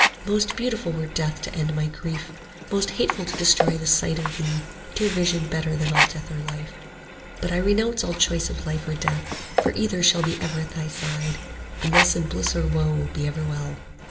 Most beautiful were Death to end my grief, Most hateful to destroy the sight of thee, Dear vision better than all death or life. 60 But I renounce all choice of life or death, For either shall be ever at thy side, And thus in bliss or woe be ever well.